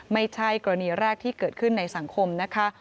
ไม่ใช่กรณีแรกที่เกิดขึ้นในสังคมนะคะ